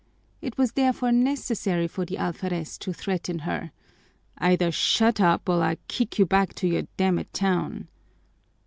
It was therefore necessary for the alferez to threaten her, "Either shut up, or I'll kick you back to your damned town!"